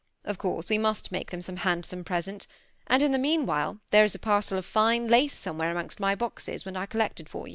Of course we must make them some handsome present ; and in the meanwhile, there is a parcel of fine lace somewhere amongst my boxes, which I collected for